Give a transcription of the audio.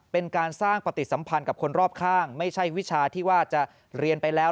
เป็นการสร้างปฏิสัมพันธ์กับคนรอบข้างไม่ใช่วิชาที่ว่าจะเรียนไปแล้ว